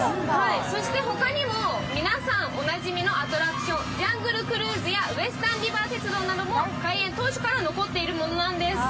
そして他にも、皆さんおなじみのアトラクション、ジャングルクルーズやウエスタンリバー鉄道なども開園当初から残っているものなんですよ。